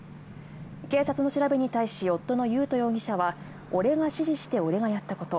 警察の調べに対し夫の夢登容疑者は俺が指示して俺がやったこと。